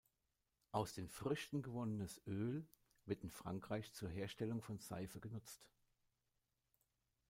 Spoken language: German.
Aus den Früchten gewonnenes Öl wird in Frankreich zur Herstellung von Seife genutzt.